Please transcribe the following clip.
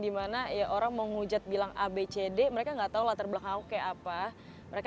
dimana ya orang mau ngujat bilang abcd mereka enggak tahu latar belakang ke apa apa mereka